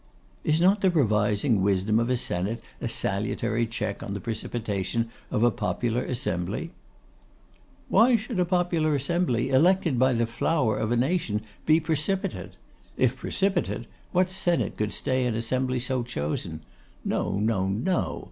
'Is not the revising wisdom of a senate a salutary check on the precipitation of a popular assembly?' 'Why should a popular assembly, elected by the flower of a nation, be precipitate? If precipitate, what senate could stay an assembly so chosen? No, no, no!